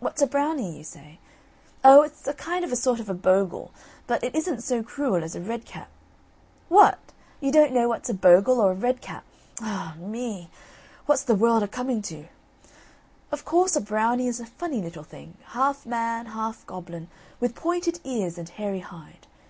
"What's a Brownie?" you say. Oh, it's a kind of a sort of a Bogle, but it isn't so cruel as a Redcap! What! you don't know what's a Bogle or a Redcap! Ah, me! what's the world a coming to? Of course a Brownie is a funny little thing, half man, half goblin, with pointed ears and hairy hide.